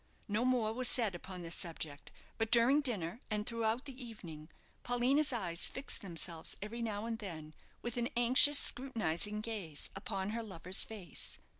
No more was said upon the subject; but during dinner, and throughout the evening, Paulina's eyes fixed themselves every now and then with an anxious, scrutinizing gaze upon her lover's face.